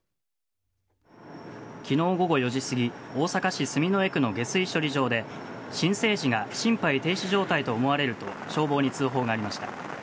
昨日午後４時すぎ大阪市住之江区の下水処理場で新生児が心肺停止状態と思われると消防に通報がありました。